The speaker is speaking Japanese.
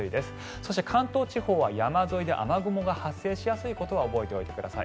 そして関東地方は山沿いで雨雲が発生しやすいことを覚えておいてください。